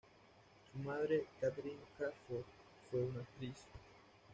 Su madre, Katherine Crawford, fue una actriz.